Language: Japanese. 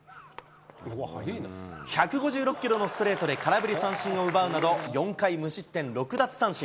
１５６キロのストレートで空振り三振を奪うなど、４回無失点６奪三振。